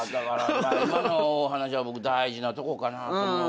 今の話は僕大事なとこかなと思いますよね。